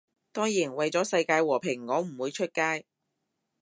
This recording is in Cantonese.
當然，為咗世界和平我唔會出街